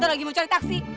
tante lagi mau cari taksi